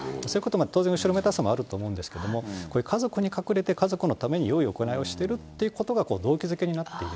そういうことは当然後ろめたさもあると思うんですけども、これ、家族に隠れて家族のためによい行いをしているということが動機づけになっている。